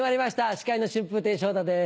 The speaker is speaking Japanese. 司会の春風亭昇太です。